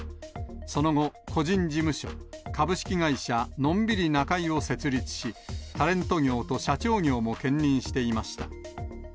その後、個人事務所、株式会社のんびりなかいを設立し、タレント業と社長業も兼任していました。